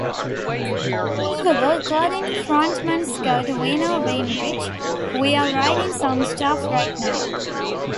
However, according to frontman Scott "Wino" Weinrich, "we're writing some stuff right now.